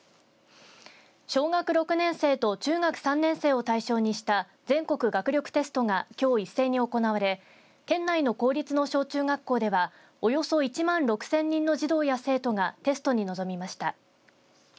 小学６年生と中学３年生を対象にした全国学力テストがきょう一斉に行われ県内の公立の小中学校ではおよそ１万６０００人の児童や生徒がテストに臨みました。